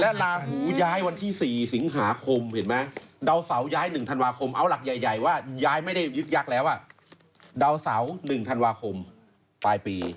ลาหูย้ายวันที่๔สิงหาคมเห็นไหมดาวเสาย้าย๑ธันวาคมเอาหลักใหญ่ว่าย้ายไม่ได้ยึกยักษ์แล้วดาวเสา๑ธันวาคมปลายปี